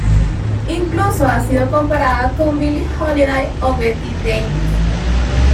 Incluso ha sido comparada con Billie Holiday o Betty Davis.